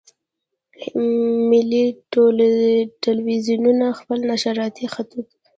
ملي ټلویزیونونه خپل نشراتي خطوط.